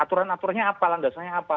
aturan aturannya apa landasannya apa